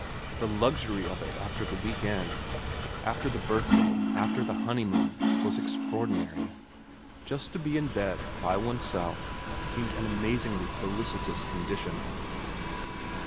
The luxury of it after the week end, after the birthday, after the honeymoon, was extraordinary. Just to be in bed by oneself seemed an amazingly felicitous condition.